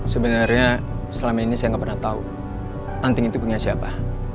sebenarnya selama ini saya nggak pernah tahu anting itu punya siapa